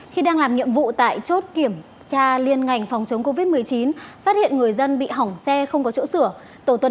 khi đang làm nhiệm vụ tại chốt kiểm tra liên ngành phòng chống covid một mươi chín phát hiện người dân bị hỏng xe không có chỗ sửa